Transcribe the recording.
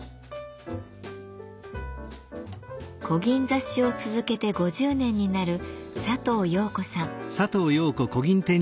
こぎん刺しを続けて５０年になる佐藤陽子さん。